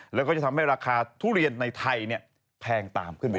แล้วก็จะทำให้ราคาทุเรียนในไทยแพงตามขึ้นไป